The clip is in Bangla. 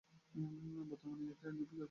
বর্তমানে এটি একটি জাতীয় ঐতিহ্য জাদুঘর।